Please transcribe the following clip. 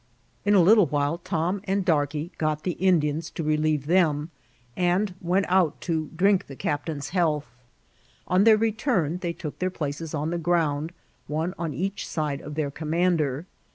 In a little while Tom and Darkey got the Indians to relieve them, and went out to drink the captain's health. On their return they took their places on the ground, one on each side of their commander.